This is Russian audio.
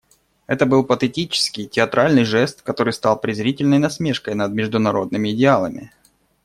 Это был патетический, театральный жест, который стал презрительной насмешкой над международными идеалами.